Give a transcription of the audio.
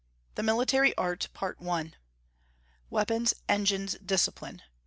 THE MILITARY ART. WEAPONS, ENGINES, DISCIPLINE.